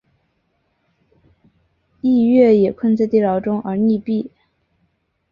逸悦也困在地牢中而溺毙。